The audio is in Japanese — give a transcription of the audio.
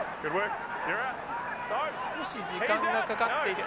少し時間がかかっている。